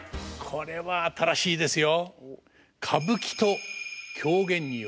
これは新しいですよ。